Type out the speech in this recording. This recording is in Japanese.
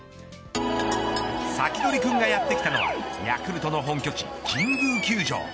サキドリくんがやってきたのはヤクルトの本拠地、神宮球場。